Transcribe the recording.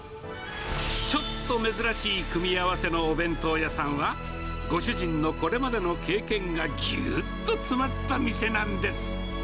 ちょっと珍しい組み合わせのお弁当屋さんは、ご主人のこれまでの経験がぎゅっと詰まった店なんです。